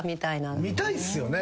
見たいっすよね。